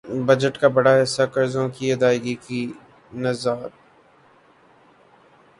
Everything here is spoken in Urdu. بجٹ کا بڑا حصہ قرضوں کی ادائیگی کی نذر